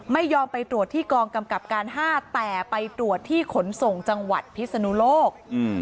ไม่ยอมไปตรวจที่กองกำกับการ๕แต่ไปตรวจที่ขนส่งจังหวัดพิศนุโลก